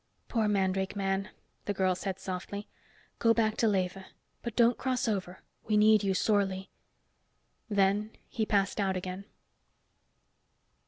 "Poor mandrake man," the girl said softly. "Go back to Lethe. But don't cross over. We need you sorely." Then he passed out again.